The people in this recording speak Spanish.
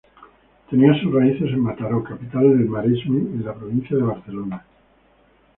Tenía sus raíces en Mataró, capital del Maresme, en la provincia de Barcelona.